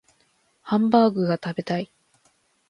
ハンバーグが食べたい